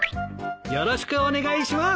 よろしくお願いします！